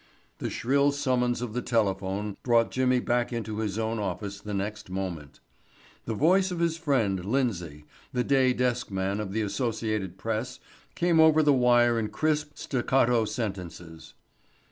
The shrill summons of the telephone brought Jimmy back into his own office the next moment. The voice of his friend, Lindsay, the day desk man of the Associated Press, came over the wire in crisp, staccato sentences.